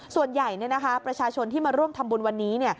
ส่วนใหญ่ประชาชนที่มาร่วมทำบุญวันนี้